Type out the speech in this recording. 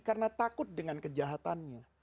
karena takut dengan kejahatannya